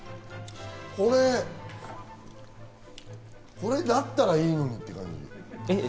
これだったらいいのにって感じ。